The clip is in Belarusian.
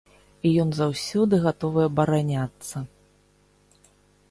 І ён заўсёды гатовы абараняцца.